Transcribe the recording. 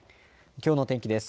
きょうの天気です。